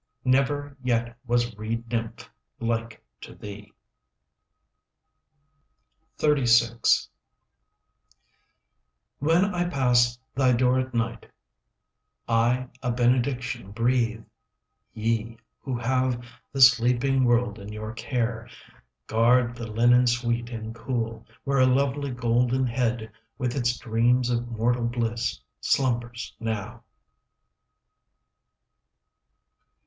Never yet was reed nymph Like to thee. XXXVI When I pass thy door at night I a benediction breathe: "Ye who have the sleeping world In your care, "Guard the linen sweet and cool, 5 Where a lovely golden head With its dreams of mortal bliss Slumbers now!"